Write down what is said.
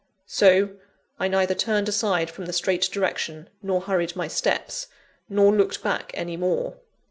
So, I neither turned aside from the straight direction, nor hurried my steps, nor looked back any more.